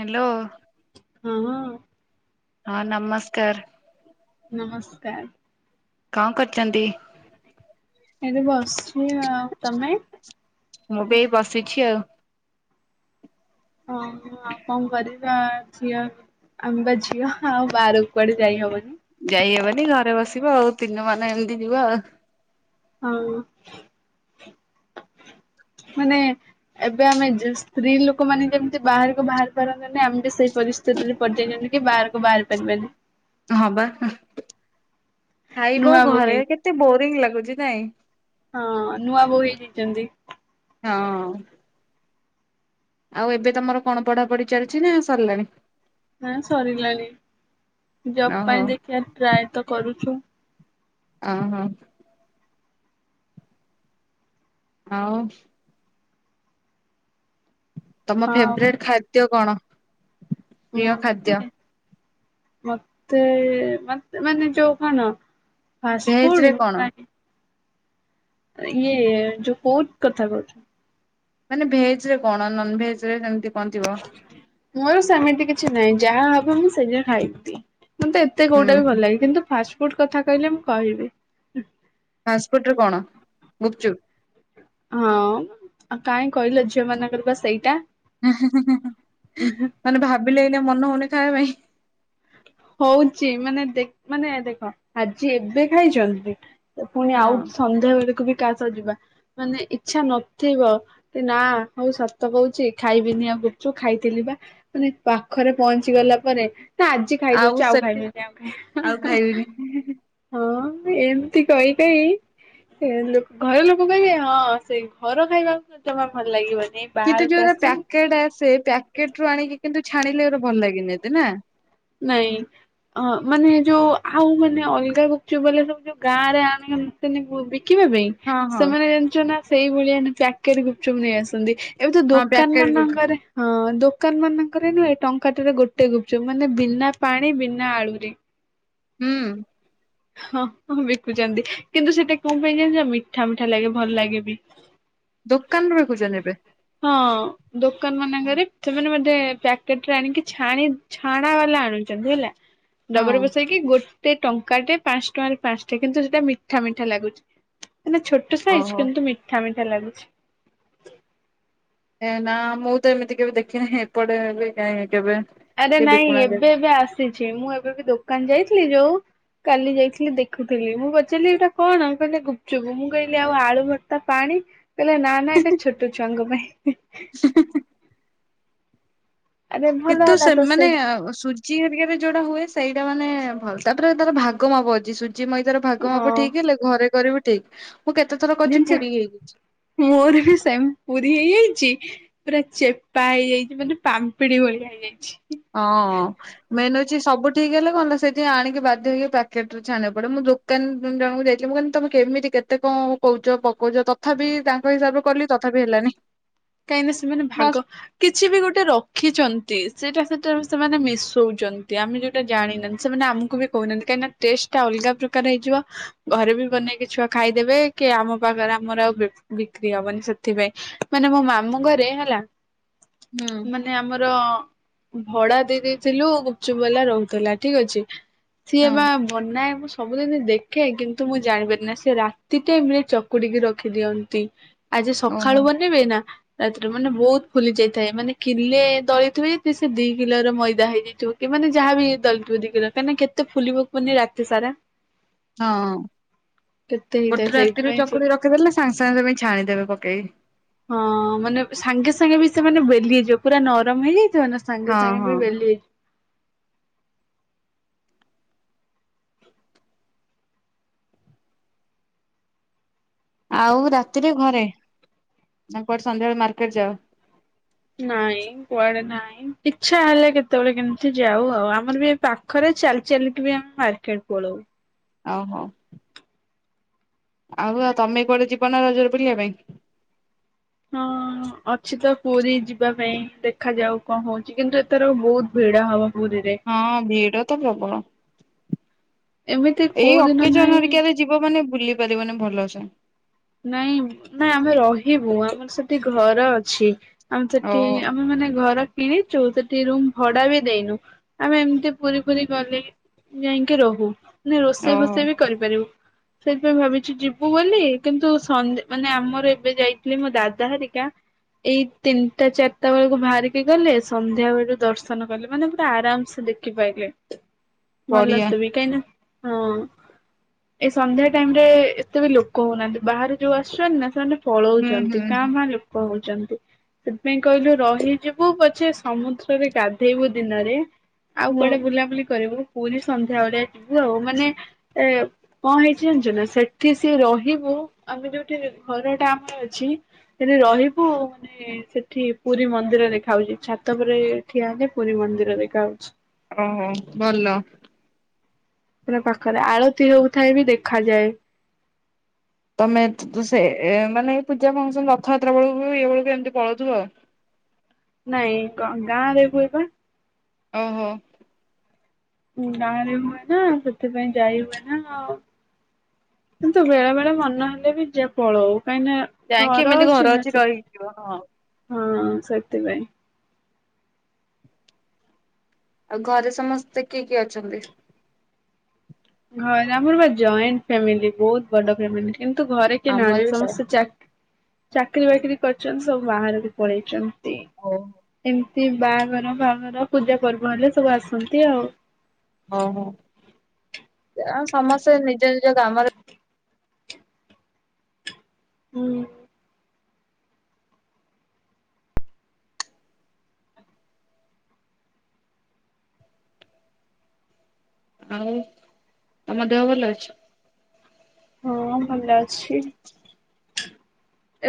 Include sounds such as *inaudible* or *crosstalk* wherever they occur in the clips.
Hello. ହଁ ହଁ। ହଁ ନମସ୍କାର। ନମସ୍କାର। କଣ କରୁଛନ୍ତି? ଏଇଠି ବସିଛି ଆଉ ତମେ? ମୁଁ ବି ଏଇ ବସିଛି ଆଉ। ହଁ ଆଉ କଣ କରିବ। ଆ ଝିଅ ଆମେ ବା ଝିଅ ଆଉ ବାହାର କୁଆଡ଼େ ଯାଇ ହବନି। ଯାଇହବନି ଘରେ ବସିବ ଆଉ ଦିନ ମାନ ଏମିତି ଯିବ ଆଉ। ହଁ। ମାନେ ଏବେ ଆମେ ଯେ ସ୍ତ୍ରୀ ଲୋକମାନେ ଯେମିତି ବାହାରକୁ ବାହାରି ପାରନ୍ତି ନି ଆମେ ବି ସେଇ ପରିସ୍ଥିତିରେ। ପଡ଼ିଯାଇଛନ୍ତି କି ବାହାରକୁ ବାହାରି ପାରିବାନି। ହଁ ବା ନୂଆ ଖାଇବ ବୋହୂ ହେଇ ଘରେ କେତେ ବୋରିଂ ଲାଗୁଛି ନାଇଁ। ହଁ ନୂଆ ବୋଉ ହେଇଯାଇଛନ୍ତି। ହଁ। ଆଉ ଏବେ ତମର କଣ ପଢ଼ାପଢ଼ି ଚାଲିଛି ନା ସରିଲାଣି? ନା ସରିଲାଣି ଜବ ଓହୋ। ପାଇଁ ଦେଖିବା ଟ୍ରାଏ ତ କରୁଛୁ। ଓ ହଁ। ଆଉ। ତମ ଆଉ ଫେବ୍ରେଟ୍ ଖାଦ୍ୟ କଣ? ପ୍ରିୟ ଖାଦ୍ୟ? ମତେ ମତେ ମା ମାନେ ଯଉ କଣ? ଫାଷ୍ଟ ଭେଜ ରେ ଫୁଡ୍ କଣ ନାଇ ଇଏ ଯୋଉ ଫ୍ରୁଟ କଥା କହୁଛୁ। ମାନେ ଭେଜ ରେ କଣ ନନ୍ ଭେଜ ରେ ଯେମିତି କଣ ଥିବ। ମୋର ସେମିତି କିଛି ନାହିଁ ଯାହା ହବ ମୁଁ ସେଇୟା ଖାଇି ବି ମତେ ଏତ ଏତେ ହୁଁ କଉଟା ବି ଭଲ ଲାଗେ କିନ୍ତୁ ଫାଷ୍ଟଫୁଡ କଥା କହିଲେ ମୁଁ କହିବି। ଫାଷ୍ଟ ଫୁଡ୍ ରେ କଣ ଗୁପ୍‌ଚୁପ୍। ହଁ ଆଉ କାହିଁ କହିଲ ଝିଅ ମାନଙ୍କର ବା ସେଇଟା ମାନେ ଭାବିଲେ ଏଇନା ମନ ହଉନି ଖାଇବା ପାଇଁ ହଉଛି ମାନେ ଦେ ମାନେ ଦେଖ ଆଜି ଏବେ ଖାଇଛନ୍ତି। ତ ପୁଣି ଆଉ ହଁ। ସନ୍ଧ୍ୟା ବେଳକୁ ବି କାହା ସ ଯିବା ମାନେ ଇଛା ନଥିବ। ନା ହଉ ସତ କହୁଛି ଖାଇବିନିି ଆଉ ଗୁପ୍‌ଚୁପ୍ ଖାଇଥିଲି ବା। ମାନେ ପାଖରେ ପହଞ୍ଚି ଗଲା ପରେ ନା ଆଜି ଖାଇଦଉଚି ଆଉ ଖାଇବିନି ଆଉ ଆଉଖାଇବିନି। ଖାଇବିନି ହଁ ଏମତି କହିଲେ କି। ସେ ଲ ଘର ଲୋକ କହିବେ ହଁ ସେଇ ଘର ଖାଇବାକୁ ତମକୁ ଭଲ ଲାଗିବନି। କିନ୍ତୁ ବାହାରକୁ ଯୋଉଡ଼ା ଆସିବୁ ପ୍ୟାକେଟ ଆସେ ପ୍ୟାକେଟ ରୁ ଆଣିକି କିନ୍ତୁ ଛାଣିଲେ ଏତେ ଭଲ ଲାଗେନି ନା। ନାଇଁ। ଅ ମାନେ ଯୋଉ ଆଉ ମାନେ ଅଲଗା ଗୁପଚୁପ୍ ବାଲା ସବୁ ଯୋଉ ଗାଁ ରେ ଆଣନ୍ତିନି ବିକିବା ପାଇଁ? ହଁ ହଁ ସେମାନେ ଜଣିିଛ ନା ସେଇ ଭଳିଆ ପ୍ୟାକେଟ୍ ଗୁପଚୁପ୍ ନେଇ ଆସନ୍ତି। ଏବେ ତ ହଁ ଦୋକାନ ପ୍ୟାକେଟ ଗୁଡ ମାନଙ୍କରେ ହଁ ଦୋକାନ ମାନଙ୍କରେ ନୁହେ ଟଙ୍କାଟେରେ ଗୋଟେ ଗୁପଚୁପ ମାନେ। ମାନେ ବିନା ପାଣି ବିନା ଆଳୁରେ। ହୁଁ। ହଁଁ ବିକୁଛନ୍ତି କିନ୍ତୁ ସେଇଟା କୋଣ ପାଇଁ ଜାଣିଲ ମିଠା ମିଠା ଲାଗେ ଭଲ ଲାଗେ ବି। ଦୋକାନରୁ ବିକୁଛନ୍ତି ଏବେ। ହଁ ଦୋକାନ ମାନଙ୍କରେ ସେମାନେ ବୋଧେ ପ୍ୟା କେଟରେ ଆଣିକି ଛାଣି ଛାଣା ବାଲା ଆଣୁଛନ୍ତି, ହେଲା ହଁ ଡବାରେ ପସେଇକି ଗୋ ସେ ଟଙ୍କା ଟେ ପାଞ୍ଚ ଟଙ୍କାରେ ପାଞ୍ଚଟା କିନ୍ତୁ ସେଇଟା ମିଠା ମିଠା ଲାଗୁଚି, ମାନେ ଛୋଟ ଛୋଟ ସାଇଜ ଓହୋ କିନ୍ତୁ ମିଠା ମିଠା ଲାଗୁଛି। ନା ମୁଁ ତ ଏମିତି କେବେ ଦେଖିିନି ଏପଟେ ବି କାହିଁ କେବେ ଆରେ କିଏ ନାଇଁ ବିକୁନାହାନ୍ତି ଏବେ ଏବେ ଆସିଛି, ମୁଁ ଏବେ ବି ଦୋକାନ ଯାଇଥିଲି ଯୋଉ କାଲି ଯାଇଥିଲି ଦେଖୁଥିଲି ମୁଁ ପଚାରିଲି ଏଇଟା କଣ କହିଲେ ଗୁପଚୁପ, ମୁଁ କହିଲି ଆଉ ଆଳୁ ଭର ତା ପାଣି କହିଲେ ନା ନା ଏଟା ଛୋଟ ଛୁଆଙ୍କ ପାଇଁ। *inaudible* ଆରେ ଭଲ କିନ୍ତୁ ହେଲା ତ ସେ ସେମାନେ ସୁ ସୁଜି ହେରିକାରେ ଯୋଉଟା ହୁଏ ସେଇଟା ମାନେ ଭଲ ତାପରେ ତାର ଭାଗ ମାପ ଅଛି। ସୁଜି ମଇଦାର ଭାଗ ମାପ ହଁ ଠିକ୍ ହେଲେ ଘରେ ଘରେ ବି ଠିକ୍ ମୁଁ କେତେ ଥର କରିଚି ଜାଣିଛ ପୁରୀ ହେଇଯାଇଛି। ମୋର ବି ସେମ୍ ପୁରୀ ହେଇଯାଇଚି। ପୁରା ଚେପା ହେଇଯାଇଚି ମାନେ ପାମ୍ପିଡି ଭଳିଆ ହେଇଯାଇଛି। ହଁ ମେନ୍ ହଉଛି ସବୁ ଠିକ୍ ହେଲେ କଣ ହେଲା ସେଠି ଆଣିକି ବାଧ୍ୟ ହେଇକି ପ୍ୟାକେଟ ରେ ଛାଣିବା କୁ ପଡେ ମୁଁ ଦୋ ଦୋକାନ ଜଣଙ୍କୁ ଯାଇଥିଲି ମୁଁ କହିଲି ତମେ କେମିତି କେତେ କଣ କହୁଛ ପକଉଛ ତଥାପି ତା ତାକ ହିସାବରେ କଲି ତଥାପି ହେଲାନି। କାହିଁକିନା ସେମାନେ ଭାଗ ନଷ୍ଟ କିଛି ବି ଗୋଟେ ରଖିଛନ୍ତି ସେଇଟା ସେଟା ସେମାନେ ମିଶଉଛନ୍ତି ଆମେ ଯ ଜାଣିନାହାନ୍ତି ସେମାନେ ଆମକୁ ବି କହୁନାହାନ୍ତି କାହିଁକିନା ଟେଷ୍ଟ ଟା ଅଲଗା ପ୍ରକାର ହେଇଯିବ ଘରେ ବି ବନେଇକି ଛୁଆ ଖାଇଦେବେ କି ଆମ ପାଖରେ ଆମର ଆଉ ବିକ୍ରି ହବନି ସେଥିପାଇଁ ମାନେ ମ ମାମୁଁ ଘରେ ହେଲା ହୁଁ। ମାନେ ଆମର ଭଡା ଦେଇ ଦେଇେଇଥିଲୁ ଗୁପଚୁପବାଲା ରହୁଥିଲା ଠିକ ଅଛି। ସିଏ ହଁ ବା ବନାଏ ମୁଁ ସବୁଦିନ ଦେଖେ କିନ୍ତୁ ମୁଁ ଜାଣିପାରେନା ସେ ରାତି ଟାଇମ୍ ରେ ଚ କୁଡିକି ରଖିଦିଅନ୍ତି ଆଜି ଓହୋ ସକାଳୁ ବନେଇବେ ନା। ରାତିରେ ମାନେ ବହୁତ ଫୁଲି ଯାଇଥାଏ ମାନେ କିଲେ ଦଳିଥିବେ ଯେ ସେ ଦି କିଲୋର ମଇଦା ହୋଇଯାଇଥିବ। ଏମାନେ ଯାହା ବିି ଦ ଦି କାଇଁକି ନା କେତେ ଫୁଲିବ କୁହନି ରାତି ସାରା। ହଁ କେତେ ହେଇଥାଏ ଗୋଟେ ରାତିରେ ସେଇଥିପାଇଁ ସେ ଚକୁଡ଼ି ରଖି ବେଲିଦେଲେ ସାଙ୍ଗେ ସାଙ୍ଗେ ଛାଣିଦେବେ ପକେଇ ହଁ ମାନେ ସାଙ୍ଗେ ସାଙ୍ଗେ ବି ସେମାନେ ବେଲି ହେଇଯିବ ପୁରା ନରମ ହେଇଯାଇଥିବ ନା। ସାଙ୍ଗେ ହଁ ସାଙ୍ଗେ ହଁ। ବି ବେଲିଏ ଆଉ ରାତିରେ ଘରେ? ନା କୁଆଡେ ସନ୍ଧ୍ୟାବେଳେ ମାର୍କେଟ ଯାଅ? ନାଇଁ କୁଆଡେ ନାହିଁ, ଇଛା ହେଲେ କେତେବେଳେ କେମିତି ଯାଉ ଆଉ, ଆମର ବି ଏ ପାଖରେ ଚାଲି ଚାଲିକି ବି ଆମେ ମାର କେନ୍ ପଳଉ ଅ ହ ଆଉ, ଆଉ ତମେ କୁଆଡେ ଯିବ ନା, ରଜରେ ବୁଲିବା ପାଇଁ ହଁ ଅଁ ଅଛି ତ ପୁରୀ ଯିବା ପାଇଁ ଦେଖାଯାଉ କଣ ହଉଛି କିନ୍ତୁ ଏଥର ବହୁତ ଭିଡ ହବ ପୁରୀରେ ହଁ, ଭିଡ ତ ପ୍ରବଳ ଏମିତି ଏଇ କୋଉ ଦିନ ଅକେଜନ ନାହିଁ ହେରିକାରେ ଯିବ ମାନେ, ବୁଲି ପାରିବନି ଭଲସେ ନାଇଁ, ନା ଆମେ ରହିବୁ, ଆମର ସେଠି ଘର ଅଛି। ଆମେ ସେଠି, ଓହୋ ଆମେ ମାନେ ଘରେ କିଣିଚୁ, ସେଠି ରୁମ୍ ଭଡା ବି ଦେଇନୁ, ଆମେ ଏମିତି ପୁରୀ ଫୁରୀ ଗଲେ କି ଯାଇଁକି ରହୁ, ମାନେ ରୋଷେଇ ଓହୋ। ଫୋଷେଇ ବି କରିପାରିବୁ, ସେଇଥିପାଇଁ ଭାବିଛି ଯିବୁ ବୋଲି କିନ୍ତୁ, ସନ୍ଧ୍ୟ ମାନେ ଆମର ଏବେ ଯାଇଥିଲେ ମୋ ଦାଦା ହେରିକା ଏଇ ତିନିଟା ଚାରିଟା ବେଳକୁ ବାହାରିକି ଗଲେ, ସନ୍ଧ୍ୟା ବେଳକୁ ଦର୍ଶନ କଲେ, ମାନେ ପୁରା ଆରାମେସ୍ ଦେଖ କି ପାଇଲେ *inaudible* ଭଲ ସେ ବି, କାଇଁ ନା ହଁ, ଏଇ ସନ୍ଧ୍ୟା ଟାଇମି ରେ ଏତେ ବି ଲୋକ ହଉନାହାନ୍ତି। ବାହାରୁ ଯୋଉ ଆସୁଛନ୍ତି ନା, ସେମାନେ ହୁଁ ପଳଉଚନ୍ତି, ହୁଁ କାଁ ଭାଁ ଲୋକ ହଉଚନ୍ତି। ସେଥିପାଇଁ କହିଲୁ ରହିଯିବୁ ପଛେ ସମୁଦ୍ରରେ ଗାଧେଇବୁ ଦିନରେ ଆଉ ହୁଁ କୁଆଡେ ବୁଲାବୁଲି କରିବୁ, ପୁରୀ ସନ୍ଧ୍ୟାବେଳେ ଯିବୁ ଆଉ ମାନେ ଏ କଣ ହେଇଚି ଜାଣିଛ ନା, ସେଠି ସିଏ ରହିବୁ ଆମେ ଯୋଉଠି ଘର ଟା ଆମର ଅଛି, ସେଠି ରହିବୁ ମାନେ ସେଠି ପୁରୀ ମନ୍ଦିର ଦେଖା ହଉଛି, ଛାତ ଉପରେ ଠିଆ ହେଲେ, ପୁରୀ ମନ୍ଦିର ଦେଖା ହଉଛି। ଓହୋ, ଭଲ। ପୁରା ପାଖରେ, ଆଳତି ହଉଥାଏ ବି ଦେଖାଯାଏ। ତମେ ସେ ମାନେ ପୂଜା ଫଙ୍କସନ୍ ରଥଯାତ୍ରା ବେଳକୁ, ଇଏ ବେଳକୁ, ଏମିତି ପଳଉଥିବ ଆଉ ନାଇଁ, ଗାଁ ଗାଁରେ ହୁଏପା। ଓହୋ। ଗାଁରେ ହୁଏ ନା, ସେଥିପାଇଁ ଯାଇ ହୁଏ ନା ଆଉ। କିନ୍ତୁ ବେଳେ ବେଳେ ମନେ ହେଲେ ବି ଯେଏ ପଳଉ, କାହିଁ ନା ଯାଇକି ଏମିତି ଘର ଅଛି ରହିଯିବ, ହଁ ହଁ, ସେଥି ପାଇଁ। ଆଉ ଘରେ ସମସ୍ତେ କିଏ କିଏ ଅଛନ୍ତି? ଘ ଆମର ବା ଜଏଣ୍ଟ୍ ଫ୍ୟାମିଲି, ବହୁତ ବଡ ଫ୍ୟାମିଲି କିନ୍ତୁ ଘରେ କିଏ ଆମର ନାହାନ୍ତି, ବି ସେୟା ସମସ୍ତେ ଚାକ୍ ଚାକିରୀ ବାକିରି କରିଚନ୍ତି, ସବୁ ବାହାକୁ ପଳେଇଚନ୍ତି, ଓ ଏମିତି ବାହାଘର ଫାହାଘର ପୂଜା ପର୍ବ ହେଲେ ସବୁ ଆସନ୍ତି ଆଉ ଓହୋ, ସମସ୍ତେ ନିଜ ନିଜ କାମରେ ଉଁ ଉଁ ଆଉ, ତମ ଦେହ ଭଲ ଅଛି? ହଁ, ଭଲ ଅଛି।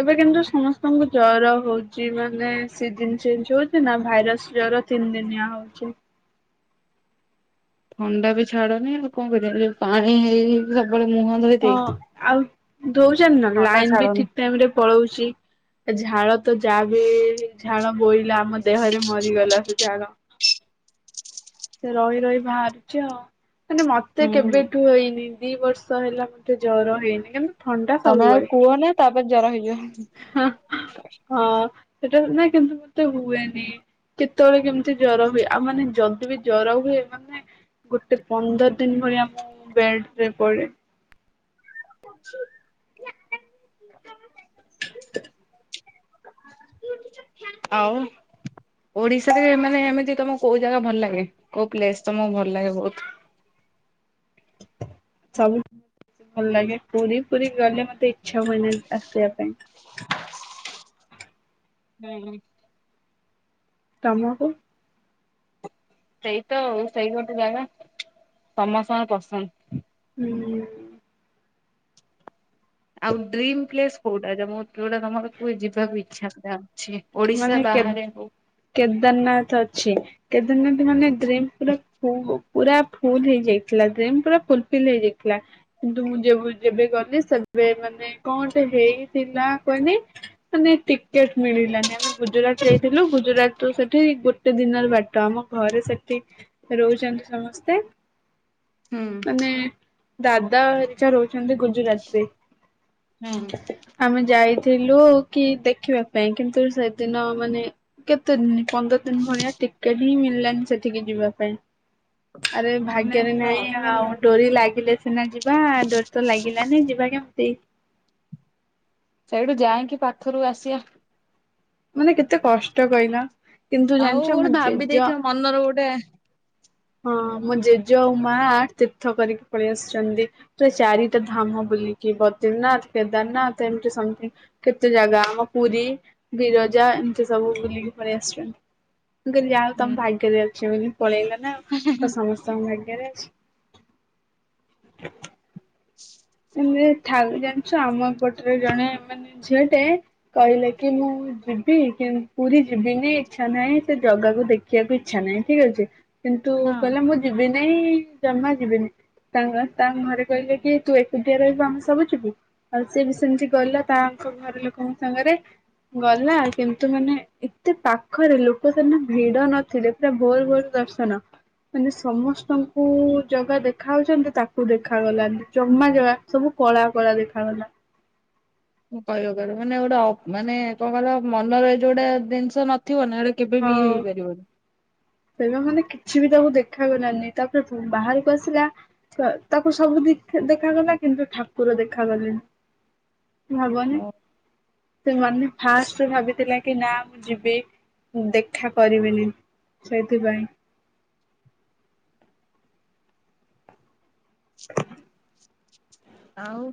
ଏବେ କିନ୍ତୁ ସମସ୍ତଙ୍କୁ ଜର ହଉଚି ମାନେ ସିଜିନ୍ ଚେଞ୍ଚ ହୋଉଛି ନା ଭାଇରସ୍ ଜର ତିନି ଦିନିଆ ହଉଚି। ଥଣ୍ଡା ବି ଛାଡ଼ୁନି ଆଉ କଁ କରିଆ ଯୋଉ ପାଣି ହେଇି ସବୁବେଳେ ମୁହଁ ଧୋଇ ହଁ ଦେଇ ଆଉ ଦୋଉଚନ୍ତି ନା ଥଣ୍ଡା ଲାଇନ୍ ବି ଛାଡୁନି ଠିକ ଟାଇମରେ ପଳଉଚି। ଏ ଝାଳ ତ ଯାହା ବି ଝାଳ ବୋହିଲା ଆମ ଦେହରେ ମରିଗଲା ସେ ଝାଳ ସେ ରହି ରହି ବାହାରୁଛି ଆଉ ମାନେ ମତେ ହୁଁ କେବେଠୁ ହେଇନି ଦି ବର୍ଷ ହେଲା ମତେ ଜର ହେଇନି। କିନ୍ତୁ ଥଣ୍ଡା ତମେ ଆଉ ସବୁବେଳେ। କୁହନ ତାପରେ ଜର ହେଇଯିବ। ହଁ ସେଟା ଆଉ ନାଇଁ କିନ୍ତୁ ମତେ ହୁଏନି। କେତେବେଳେ କେମିତି ଜର ହୁଏ। ଆଉ ମାନେ ଯଦି ବି ଜର ହୁଏ, ମାନେ ଗୋଟେ ପନ୍ଦର ଦିନ ଭଳିଆ ମୁଁ ବେଡରେ ପଡେ। *unintelligible* ଆଉ? ଓଡିଶାରେ ମାନେ ଏମିତି ତମ କୋଉ ଜାଗା ଭଲ ଲାଗେ? କୋଉ ପ୍ଲେସ ତମକୁ ଭଲ ଲାଗେ ବହୁତ? ସବୁ। ଭଲ ଲାଗେ। ପୁରୀ ପୁରୀ ଗଲେ ମତେ ଇଚ୍ଛା ହୁଏନି ଆସିବା ପାଇଁ। ହୁଁ ହୁଁ। ତମକୁ? ସେଇ ତ ସେଇ ଗୋଟେ ଜାଗା ସମସ୍ତଙ୍କ ପସନ୍ଦ। ହୁଁ ହୁଁ। ଆଉ ଡ୍ରିମ ପ୍ଲେସ କୋଉଟା ଜମୁ ଯଉଟା ତମର କୁ ଯିବାକୁ ଇଚ୍ଛା ପୁରା? ଛି ଓଡିଶା ମାନେ କେବେ ବାହାରେ ହଉ। କେଦାରନାଥ ଅଛି କେଦାରନାଥ ମାନେ ଡ୍ରିମ ପୁରା ଫୁ ପୁରା ଫୁଲ ହେଇଯାଇଥିଲା ଡ୍ରିମ ପୁରା ଫୁଲଫିଲ ହେଇଯାଇଥିଲା କିନ୍ତୁ ମୁଁ ଯେବେ ଯେବେ ଗଲି ସେବେ ମାନେ କଣଟେ ହେଇଥିଲା କହିଲି ମାନେ ଟିକେଟ ମିଳିଲାନି ଆମେ ଗୁଜୁରାଟ ଯାଇଥିଲୁ ଗୁଜୁରା ଟୁ ସେଠି ଗୋଟେ ଦିନରେ ବାଟ ଆମ ଘରେ ସେଠି ରହୁଚନ୍ତି ସମସ୍ତେ ହୁଁ। ଦାଦା ହରିକା ରହୁଛନ୍ତି ଗୁଜୁରାତରେ। ଆମେ ଯାଇଥିଲୁ କି ଦେଖିବା ପାଇଁ କିନ୍ତୁ ସେଦିନ ମାନେ କେତେ ଦିନ ପନ୍ଦର ଦିନ ଭଳିଆ ଟିକେଟ ହିଁ ମିଳିଲାନି ସେଠିକି ଯିବା ପାଇଁ। ଆରେ ଭାଗ୍ୟରେ ନାଇଁ ଆଉ ହୁଁ ଡୋରି ଲାଗିଲେ ସିନା ଯି ବା ଡୋରୀ ତ ଲାଗିଲାନି ଯିବା କେମିତି? ସେଇଠୁ ଯାଇକି ପାଖରୁ ଆସିଆ ମାନେ କେତେ କଷ୍ଟ କହିଲା? କିନ୍ତୁ ଜାଣିଚ ମୋ ଜେଜ ଅନର ଗୋଟେ ହଁ ମୋ ଜେଜେ ଆଉ ମା ତୀର୍ଥ କରିକି ପଳେଇ ଆସିଚନ୍ତି। ଟେ ଚାରିଟା ଧାମ ବୁଲିକି ବଦ୍ରିନାଥ, କେଦାରନାଥ, ଏମତି ସମଥି କେତେ ଜାଗା ଆମ ପୁରୀ, ବିିରଜା ଏମିତି ସବୁ ବୁଲିକି ପଲେଇ ଆସିବା। ମୁଁ କହିଲି ଯା ହଉ ହୁଁ ତମ ଭାଗ୍ୟରେ ଅଛି ବୋଲି ପଳେଇଲ ନା ଆଉ କଁ ସମସ୍ତଙ୍କ ଭାଗ୍ୟରେ ଅଛି? ଏମ ଥାରୁ ଜାଣଛ ଆମ ଏପଟରେ ଜଣେ ମାନେ ଝିଅ ଟେ କହିଲେ କି ମୁଁ ଯିବି କି ପୁରୀ ଯିବିନି ଇଚ୍ଛା ନାହିଁ ସେ ଜଗାକୁ ଦେ ଖିବାକୁ ଇଚ୍ଛା ନାହିଁ, ଠିକ ଅଛି। କିନ୍ତୁ ହଁ। କହିଲା ମୁଁ ଯିବି ନାଇଁ ଜମା ଯିବିିନି। ତାଙ୍କ ତାଙ୍କ ଘରେ କହିଲେ କି, ତୁ ଏ ଏକୁଟିଆ ରହିବୁ ଆମେ ସବୁ ଯିବୁ ଆଉ ସିଏ ବି ସେମିତି ଗଲା ତାଙ୍କ ଘର ଲୋକଙ୍କ ସାଙ୍ଗରେ। ଗଲା କିନ୍ତୁ ମାନେ ଏତେ ପାଖରେ ଲୋକ ସେଦିନ ଭିଡ ନଥିଲେ। ପୁରା ଭୋରୁ ଭୋରୁ ଦର୍ଶନ। ମାନେ ସମସ୍ତଙ୍କୁ ଜାଗା ଦେଖାଯାଉଛନ୍ତି ତାକୁ ଦେଖାଗଲାନି। ହମା ଜଗା ସବୁ କଳା କଳା ଦେଖାାଗଲା। କଇବକହିଲ ମାନେଅପ୍ ଗୋଟେ ଅ ମାନେ କଁ କଇଲ ମନର ଏ ଯୋଉଟା ଜିନିସ ନଥିବ ନା ଏଡ଼େ କେବେ ବି ଇଏ ହେଇପାରିବନି। ଏବେ ମାନେ କିଛି ବି ତାକୁ ଦେଖାଗଲାନି ତାପରେ ବାହାରକୁ ଆସିଲା। ଥୁଆ ତାକୁ ସବୁ ଦିଖା ଦେଖାଗଲା କିନ୍ତୁ ଠାକୁର ଦେଖାଗଲେନି। ହବନି ସେ ମାନେ ଫାଷ୍ଟ୍ ଭାବିଥିଲା କି ନା ମୁଁ ଯିବି। ଉଁ ଦେଖା ପରିବେନି ସେଇଥିପାଇଁ। *inaudible* ଆଉ।